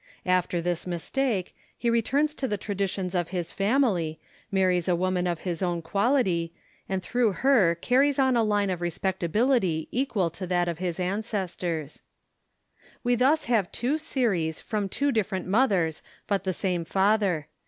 After this mistake, he returns to the tradi tions of his family, marries a woman of his own quality, and through her carries on a line of respectability equal to that of his ancestors. We thus have two series from two different mothers but the same father.